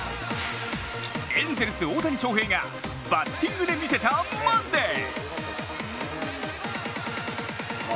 エンゼルス・大谷翔平がバッティングで見せたマンデー。